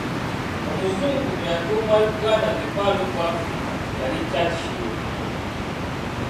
Omuzungu eyatuuma Uganda ‘The Pearl of Africa’ yali ChurchHill.